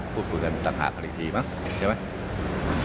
พูดคุยกันต่างหากันอีกทีนะเห็นไหม